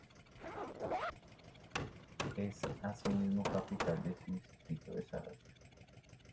Es asimismo capital del distrito de Salas.